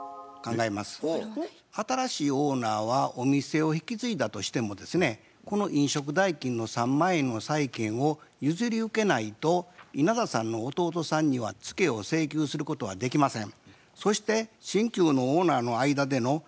新しいオーナーはお店を引き継いだとしてもですねこの飲食代金の３万円の債権を譲り受けないと稲田さんの弟さんにはツケを請求することはできません。